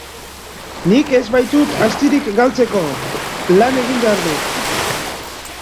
Nik ez baitut astirik galtzeko, lan egin behar dut.